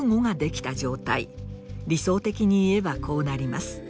理想的に言えばこうなります。